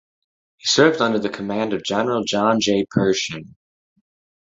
He served under the command of General John J. Pershing.